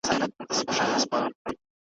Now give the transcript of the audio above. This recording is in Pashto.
منبرونه یې نیولي جاهلانو ,